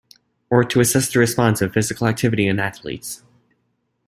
Or to assess the response to physical activity in athletes.